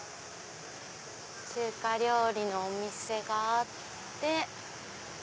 中華料理のお店があって。